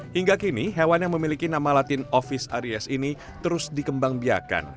hingga kini hewan yang memiliki nama latin office aries ini terus dikembang biakan